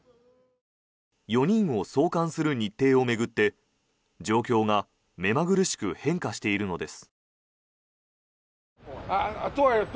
４人を送還する日程を巡って状況が目まぐるしく変化しているのです。